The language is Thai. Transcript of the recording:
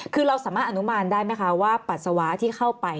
คือเราสามารถอนุมานได้ไหมคะว่าปัสสาวะที่เข้าไป